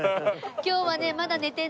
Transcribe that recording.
今日はねまだ寝てないの。